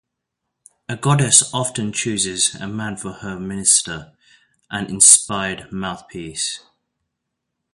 A goddess often chooses a man for her minister and inspired mouthpiece.